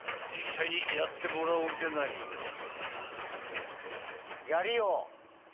実際にやってもらおうじゃないの。